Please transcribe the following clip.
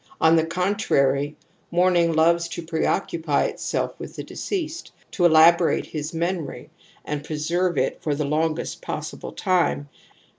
On the contrary, mourning loves to preoccupy itself with the deceased, to elaborate his memory, and preserve it for the H \ 98 TOTEM AND TABOO longest possible time.